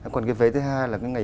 còn cái vế thứ hai là